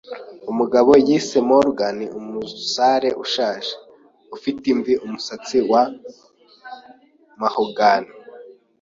Umugabo yise Morgan - umusare ushaje, ufite imvi, umusatsi wa mahogany -